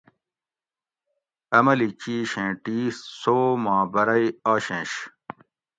عملی چِیش ایں ٹِیس سوو ما بری آشینش